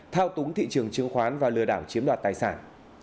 thao túng thị trường chứng khoán và lừa đảo chiếm đoạt tài sản